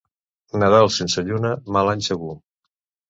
Nadal sense lluna, mal any segur.